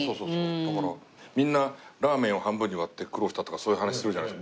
だからみんなラーメンを半分に割って苦労したとかそういう話するじゃないですか。